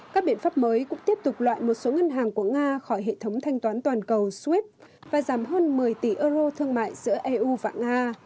các biện pháp mới cũng tiếp tục loại một số ngân hàng của nga khỏi hệ thống thanh toán toàn cầu streap và giảm hơn một mươi tỷ euro thương mại giữa eu và nga